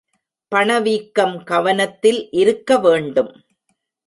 பண வீக்கம் கவனத்தில் இருக்கவேண்டும்.